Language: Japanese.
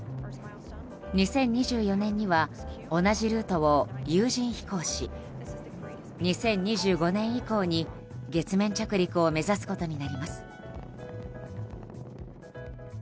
２０２４年には同じルートを有人飛行し２０２５年以降に、月面着陸を目指すことになります。